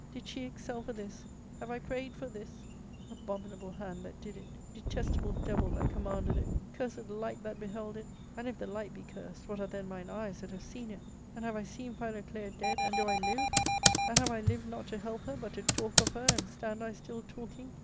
Did she excel for this ? have I prayed for this ? Abominable hand that did it, detestable devil that commanded it, cursed light that beheld it ; and, if the light be cursed, what are then mine eyes that have seen it ? And have I seen Philoclea dead, and do' I live ? and have I lived not to help her, but to talk of her, and stand I still talking?'